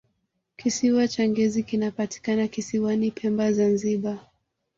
kisiwa cha ngezi kinapatikana kisiwani pemba zanzibar